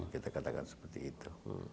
kita katakan seperti itu